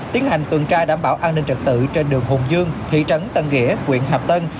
tiến hành tuần tra đảm bảo an ninh trật tự trên đường hùng dương thị trấn tân nghĩa quyện hạp tân